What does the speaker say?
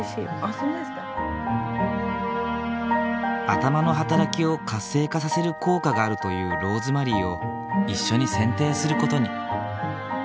頭の働きを活性化させる効果があるというローズマリーを一緒にせんていする事に。